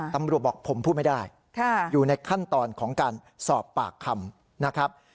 ตำรวจบอกผมพูดไม่ได้อยู่ในขั้นตอนของการสอบปากคำนะครับ